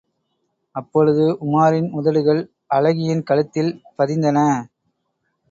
அப்பொழுது உமாரின் உதடுகள் அழகியின் கழுத்தில் பதிந்தன.